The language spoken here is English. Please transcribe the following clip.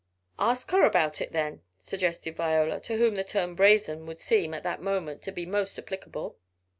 "Ask her about it, then," suggested Viola, to whom the term brazen would seem, at that moment, to be most applicable.